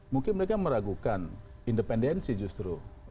mungkin mereka meragukan independensi justru